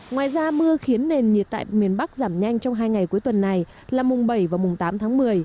ngoài ra mưa khiến nền nhiệt tại miền bắc giảm nhanh trong hai ngày cuối tuần này là mùng bảy và mùng tám tháng một mươi